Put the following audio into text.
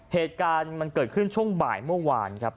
เหตุการณ์มันเกิดขึ้นช่วงบ่ายเมื่อวานครับ